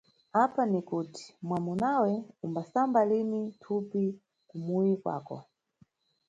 Apa ni kuti mwamunawe umbasamba lini mthupi kumuyi kwako?